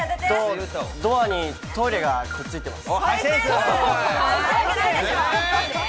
ドアにトイレが付いてます。